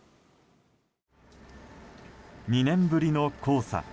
２年ぶりの黄砂。